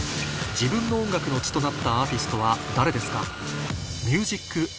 自分の音楽の血となったアーティストは誰ですか？